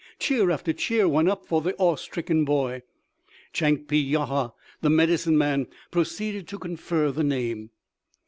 Cheer after cheer went up for the awe stricken boy. Chankpee yuhah, the medicine man, proceeded to confer the name.